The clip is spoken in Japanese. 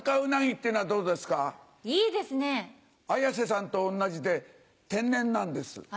綾瀬さんと同じで天然なんです。